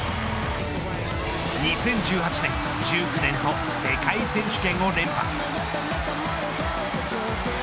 ２０１８年、１９年の世界選手権を連覇。